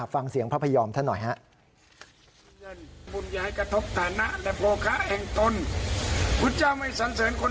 ฟังเสียงพระพยอมท่านหน่อยฮะ